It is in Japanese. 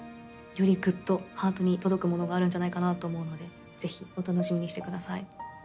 よりぐっとハートに届くものがあるんじゃないかなと思うのでぜひお楽しみにしてください。